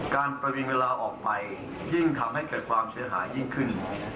ประวิงเวลาออกไปยิ่งทำให้เกิดความเสียหายยิ่งขึ้น